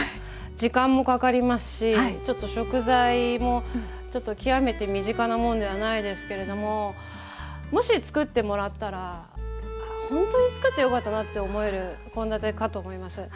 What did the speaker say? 時間もかかりますしちょっと食材もちょっと極めて身近なものではないですけれどももし作ってもらったらほんとに作ってよかったなって思える献立かと思います。